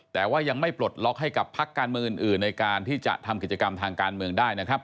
แต่ว่ายังไม่ปลดล็อกให้กับพักการเมืองอื่นในการที่จะทำกิจกรรมทางการเมืองได้นะครับ